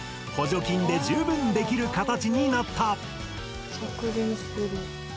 補助金で十分できる形になった。